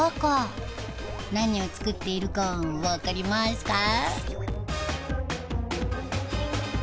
何を作っているかわかりますか？